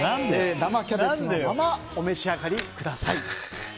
生キャベツのままお召し上がりください。